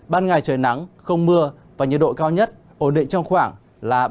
ban ngày trời nắng không mưa và nhiệt độ cao nhất ổn định trong khoảng là ba mươi ba mươi ba độ